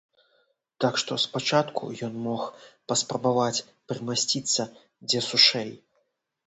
Так што спачатку ён мог паспрабаваць прымасціцца дзе сушэй.